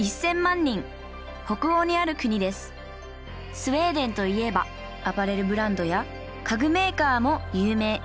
スウェーデンといえばアパレルブランドや家具メーカーも有名。